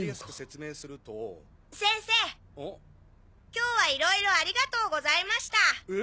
今日はいろいろありがとうございました。え？